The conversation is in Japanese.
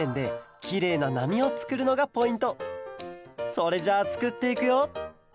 それじゃあつくっていくよ！